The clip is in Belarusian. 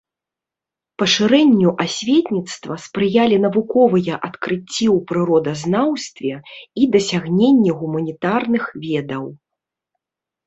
Пашырэнню асветніцтва спрыялі навуковыя адкрыцці ў прыродазнаўстве і дасягненні гуманітарных ведаў.